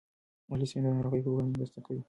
الیسین د ناروغیو پر وړاندې مرسته کوي.